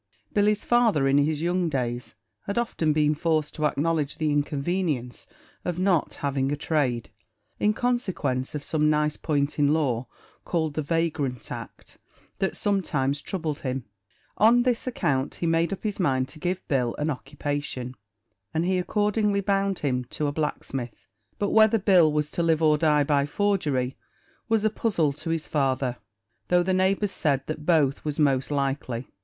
Billy's father, in his young days, had often been forced to acknowledge the inconvenience of not having a trade, in consequence of some nice point in law, called the "Vagrant Act," that sometimes troubled him. On this account he made up his mind to give Bill an occupation, and he accordingly bound him to a blacksmith; but whether Bill was to live or die by forgery was a puzzle to his father, though the neighbours said that both was most likely.